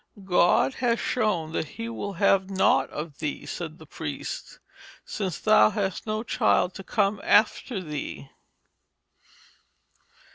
'God has shown that He will have nought of thee,' said the priest, 'since thou hast no child to come after thee.'